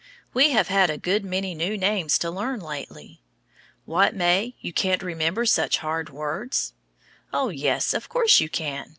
We have had a good many new names to learn lately. What, May? You can't remember such hard words? Oh, yes, of course you can.